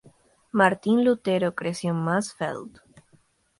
Martín Lutero creció en Mansfeld.